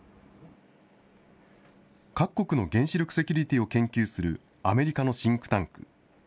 各国の原子力セキュリティーを研究するアメリカのシンクタンク。